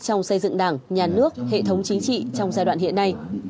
trong xây dựng đảng nhà nước hệ thống chính trị trong giai đoạn hiện nay